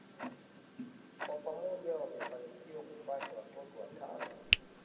Kwa pamoja wamefanikiwa kupata watoto watano